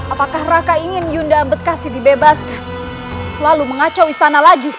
apakah raka ingin yunda bekasi dibebas lalu mengacau istana lagi